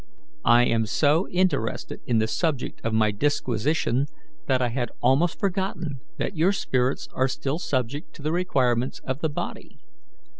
I am so interested in the subject of my disquisition that I had almost forgotten that your spirits are still subject to the requirements of the body.